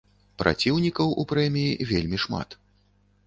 Праціўнікаў у прэміі вельмі шмат.